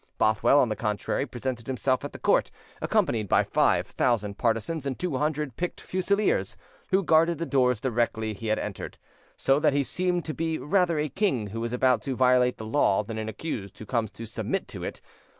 Bothwell, on the contrary, presented himself at the court, accompanied by five thousand partisans and two hundred picked fusiliers, who guarded the doors directly he had entered; so that he seemed to be rather a king who is about to violate the law than an accused who comes to submit to it.